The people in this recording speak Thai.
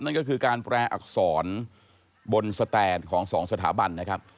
นั่นก็คือการแปรอักษรบนสแตนของสองสถาบันนะครับ